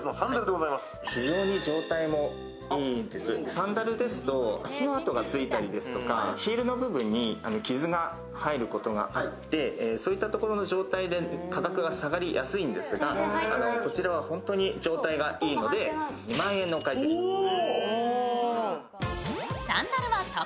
サンダルですと足跡がついたりですとか、ヒールの部分に傷が入ることがあって、そういったところの状態で価格が下がりやすいんですが、こちらは本当に状態がいいので２万円のお買い取りです。